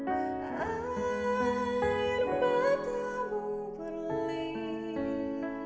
air matamu berlina